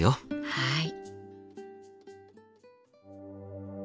はい。